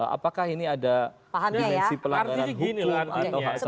apakah ini ada dimensi pelanggaran hukum atau hak asasi manusia